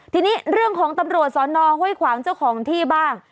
ทีนี้เรื่องของตำรวจสอนอห้วยขวางเจ้าของที่บ้าง